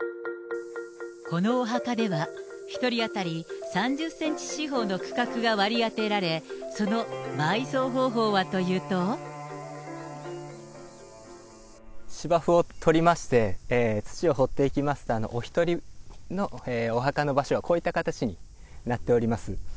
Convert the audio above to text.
このお墓では１人当たり３０センチ四方の区画が割り当てられ、芝生を取りまして、土を掘っていきますと、お１人のお墓の場所はこういった形になっております。